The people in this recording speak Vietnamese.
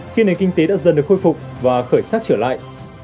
khiến nền kinh tế đã dần được khôi phục và khởi sát trở lại